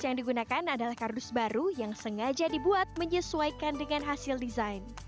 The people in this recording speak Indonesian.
yang digunakan adalah kardus baru yang sengaja dibuat menyesuaikan dengan hasil desain